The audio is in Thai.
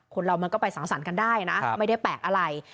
คนเรามันก็ไปสังสรรค์กันได้นะไม่ได้แปลกอะไร